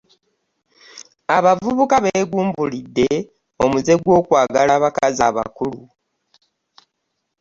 Abavubuka beegumbulidde omuze gw'okwagala abakazi abakulu.